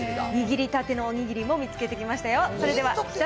握りたてのおにぎりも見つけてきましたよ。